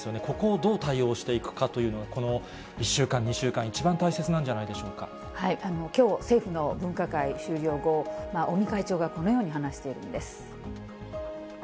ここをどう対応していくかというのが、この１週間、２週間、一番大切なきょう、政府の分科会終了後、尾身会長がこのように話しているんです。